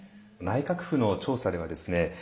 内閣府の調査ではですね